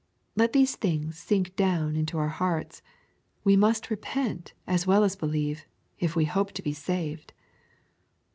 Let these things sink down into our hearts. We must repent as well as believe, if we hope to be saved.